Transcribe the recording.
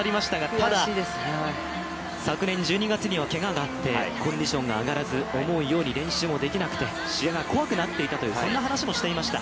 ただ、昨年１２月にはけががあってコンディションが上がらず思うように練習もできなくて、試合が怖くなっていたという話もしていました。